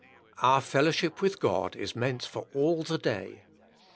Our fellowship with God is meant for all the day.